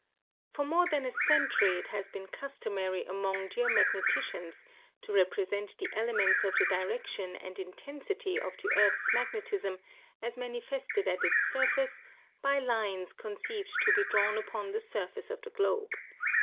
For more than a century it lias been customary among geomagneticians to represent the elements of the direction and intensity of the earth's magnetism as mani fested at its surfiice by lines conceived to be drawn upon the surface of the globe.